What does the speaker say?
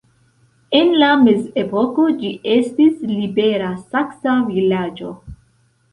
En la mezepoko ĝi estis "libera saksa vilaĝo".